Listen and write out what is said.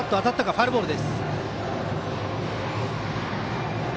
ファウルボール。